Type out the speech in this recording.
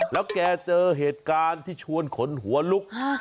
แล้วแกเจอเหตุการณ์ที่ชวนขนหัวลุก